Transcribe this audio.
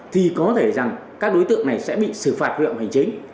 thì có thể rằng các đối tượng này sẽ bị xử phạt huyện hành chính